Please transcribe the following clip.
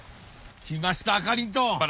来ましたあかりんとん！